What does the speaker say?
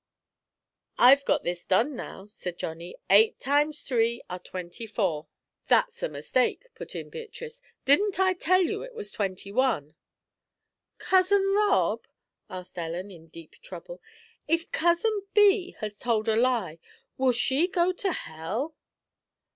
"I've got this done now," said Johnny. "Eight times three are twenty four." "That's a mistake," put in Beatrice. "Didn't I tell you it was twenty one?" "Cousin Rob," asked Ellen, in deep trouble, "if Cousin Bee has told a lie, will she go to hell?"